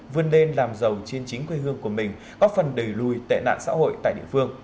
vươn lên làm giàu trên chính quê hương của mình góp phần đẩy lùi tệ nạn xã hội tại địa phương